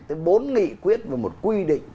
tới bốn nghị quyết và một quy định